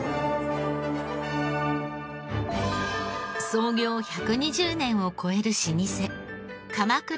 創業１２０年を超える老舗鎌倉